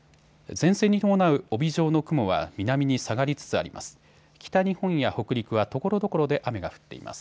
前線に伴う帯状の雲は南に下がりつつあります。